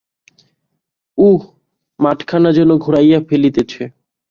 উঃ, মাঠখানা যেন ঘুরাইয়া ফেলিতেছে!